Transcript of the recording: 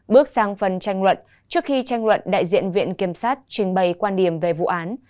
bước sang phần tranh luận trước khi tranh luận đại diện viện kiểm sát trình bày quan điểm về vụ án